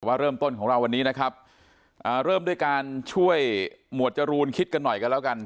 ว่าเริ่มต้นของเราวันนี้นะครับเริ่มด้วยการช่วยหมวดจรูนคิดกันหน่อยกันแล้วกัน